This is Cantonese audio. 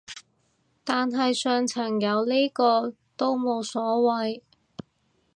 但係上層有呢個都幾無謂